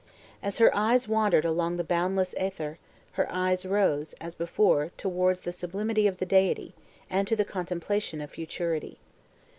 As her eyes wandered along the boundless æther, her thoughts rose, as before, towards the sublimity of the Deity, and to the contemplation of futurity.